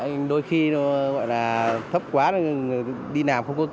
như thế này